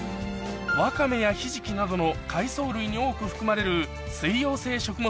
わかめやひじきなどの海藻類に多く含まれる水溶性食物